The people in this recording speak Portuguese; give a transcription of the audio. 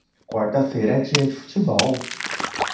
Quarta feira é dia de futebol.